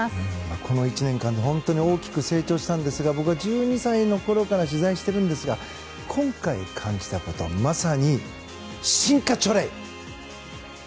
この１年間で本当に大きく成長したんですが僕は１２歳のころから取材しているんですが今回、感じたことまさに進化チョレイ！